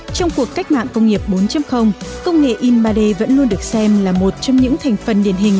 trong cuộc cách mạng công nghiệp bốn công nghệ in ba d vẫn luôn được xem là một trong những thành phần điển hình